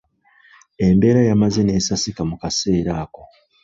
Embeera yamaze n'esasika mu kaseera ako.